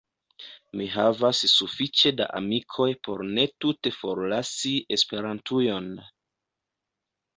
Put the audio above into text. Mi havas sufiĉe da amikoj por ne tute forlasi Esperantujon.